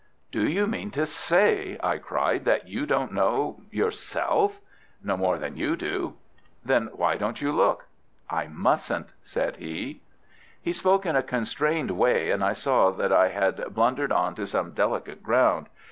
"Do you mean to say," I cried, "that you don't know yourself?" "No more than you do." "Then why don't you look?" "I mustn't," said he. He spoke in a constrained way, and I saw that I had blundered on to some delicate ground.